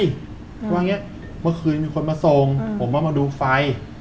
ว่าอย่างนี้เมื่อคืนมีคนมาส่งผมมามาดูไฟ